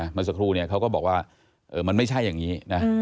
เมื่อสักครู่เนี่ยเขาก็บอกว่ามันไม่ใช่อย่างนี้นะ